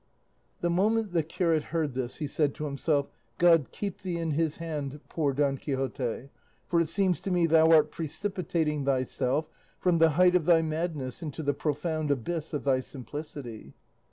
The moment the curate heard this he said to himself, "God keep thee in his hand, poor Don Quixote, for it seems to me thou art precipitating thyself from the height of thy madness into the profound abyss of thy simplicity."